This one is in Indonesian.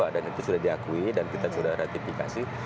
dan itu sudah diakui dan kita sudah ratifikasi